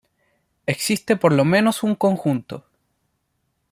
Existe por lo menos un conjunto.